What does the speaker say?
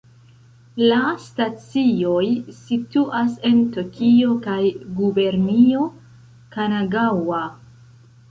La stacioj situas en Tokio kaj Gubernio Kanagaŭa.